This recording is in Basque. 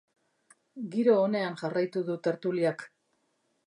Giro onean jarraitu du tertuliak.